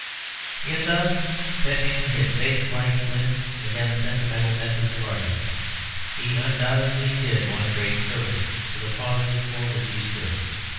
In thus setting his face like flint against sentimental methods of argument he undoubtedly did one great service to the causes for which he stood.